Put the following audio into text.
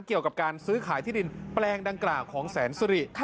เกี่ยวกับการซื้อขายที่ดินแปลงดังกล่าวของแสนสุริ